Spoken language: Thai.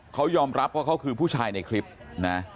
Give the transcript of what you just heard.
เขายอมรับว่าเขาคือผู้ชายในคลิปนะ